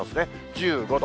１５度。